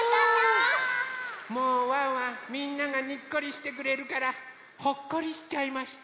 もうワンワンみんながにっこりしてくれるからほっこりしちゃいました。